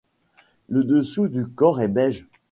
Le dessous du corps est beige.